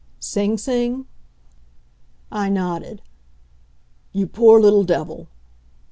"Sing Sing?" I nodded. "You poor little devil!"